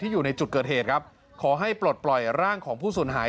ที่อยู่ในจุดเกิดเหตุขอให้ปลดปล่อยร่างของผู้ศูนย์หาย